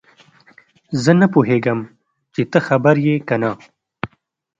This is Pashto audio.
زه نه پوهیږم چې ته خبر یې که نه